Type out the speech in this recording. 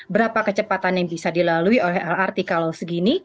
berapa kecepatan yang bisa dilalui oleh lrt kalau segini